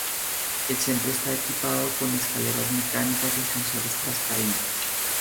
El centro está equipado con escaleras mecánicas y ascensores transparentes.